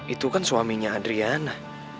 itu kan suaminya adriana